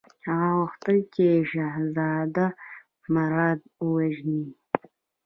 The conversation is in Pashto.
هغه غوښتل چې شهزاده مراد ووژني.